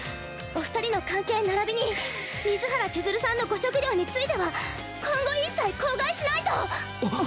お２人の関係ならびに水原千鶴さんのご職業については今後一切口外しないと！